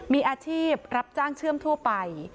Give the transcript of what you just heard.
มีอาชีพรับจ้างเชื่อมทั่วไป